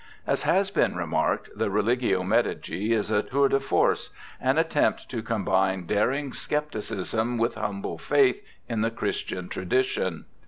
As has been remarked, the Religio Medici is a tour de force, an attempt to combine daring scepticism with humble faith in the Christian religion.